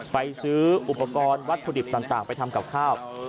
ไปซื้ออุปกรณ์วัตถุดิบต่างไปทำกับข้าว